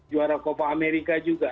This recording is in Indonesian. juara copa amerika juga